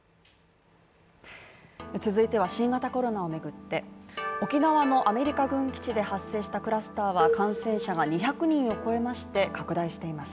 続いては新型コロナをめぐって沖縄のアメリカ軍基地で発生したクラスターは感染者が２００人を超えまして、拡大しています。